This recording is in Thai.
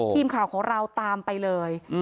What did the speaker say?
ทีมข่าวของเราตามไปเลย